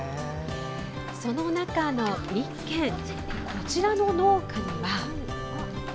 その中の１軒こちらの農家には。